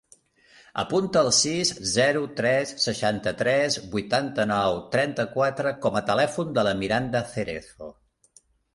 Apunta el sis, zero, tres, seixanta-tres, vuitanta-nou, trenta-quatre com a telèfon de la Miranda Cerezo.